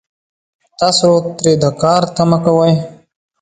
تاسو ترې د کار تمه کوئ